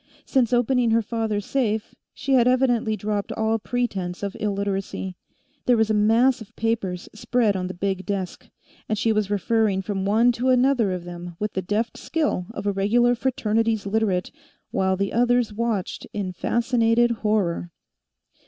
Since opening her father's safe, she had evidently dropped all pretense of Illiteracy; there was a mass of papers spread on the big desk, and she was referring from one to another of them with the deft skill of a regular Fraternities Literate, while the others watched in fascinated horror.